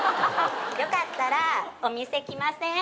よかったらお店来ません？